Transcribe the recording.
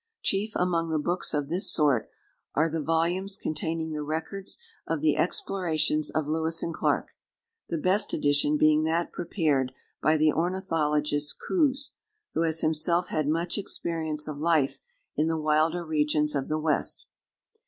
Chief among the books of this sort are the volumes containing the records of the explorations of Lewis and Clarke; the best edition being that prepared by the ornithologist Coues, who has himself had much experience of life in the wilder regions of the West.